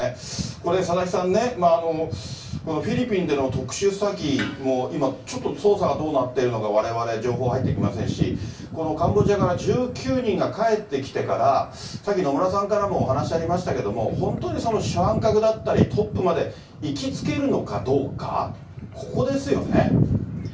これ、佐々木さんね、このフィリピンでの特殊詐欺も今、ちょっと捜査がどうなっているのか、われわれ情報入ってきませんし、このカンボジアから１９人が帰ってきてから、さっき、野村さんからもお話ありましたけども、本当にその主犯格だったり、トップまで行きつけるのかどうか、ここですよね。